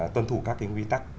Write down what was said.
tuân thủ các cái nguy tắc